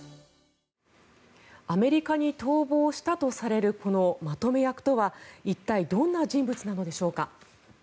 アメリカに逃亡したとされるこのまとめ役とは一体どんな人物なのでしょうか。